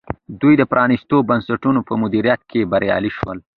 دوی د پرانیستو بنسټونو په مدیریت کې بریالي شول.